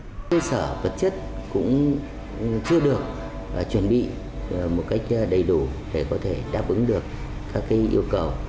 các cơ sở vật chất cũng chưa được chuẩn bị một cách đầy đủ để có thể đáp ứng được các yêu cầu